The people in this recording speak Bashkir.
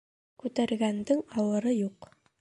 Күтәргәндең ауыры юҡ.